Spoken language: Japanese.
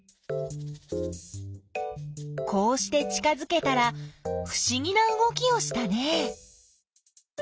こうして近づけたらふしぎなうごきをしたね。